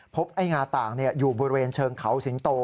ไอ้งาต่างอยู่บริเวณเชิงเขาสิงโต